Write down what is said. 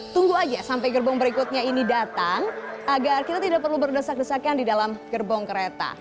tunggu aja sampai gerbong berikutnya ini datang agar kita tidak perlu berdesak desakan di dalam gerbong kereta